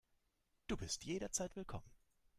Du bist jederzeit willkommen.